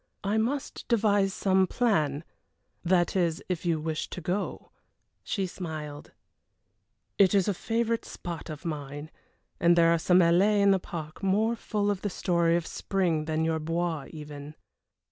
"I must devise some plan that is, if you wish to go." She smiled. "It is a favorite spot of mine, and there are some alleés in the park more full of the story of spring than your Bois even."